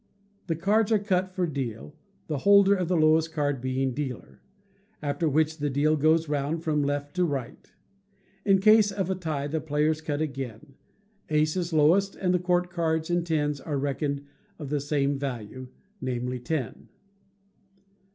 The cards are cut for deal, the holder of the lowest card being dealer; after which the deal goes round, from left to right. In case of a tie, the players cut again. Ace is lowest, and the court cards and tens are reckoned of the same value, namely, ten.